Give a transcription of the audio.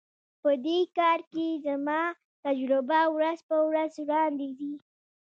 په دې کار کې زما تجربه ورځ په ورځ وړاندي ځي.